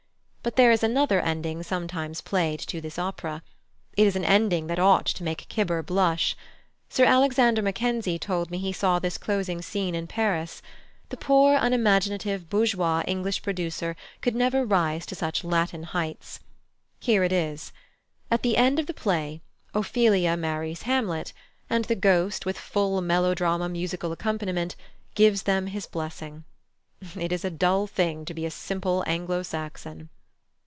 But there is another ending sometimes played to this opera. It is an ending that ought to make Cibber blush! Sir Alexander Mackenzie told me he saw this closing scene in Paris. The poor, unimaginative, bourgeois English producer could never rise to such Latin heights. Here it is: At the end of the play, Ophelia marries Hamlet, and the Ghost, with full melodrama musical accompaniment, gives them his blessing. It is a dull thing to be a simple Anglo Saxon!